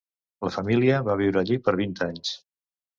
La família va viure allí per vint anys.